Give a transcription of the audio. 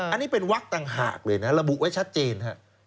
อันนี้เป็นวักต่างหากเลยนะระบุไว้ชัดเจนฮะ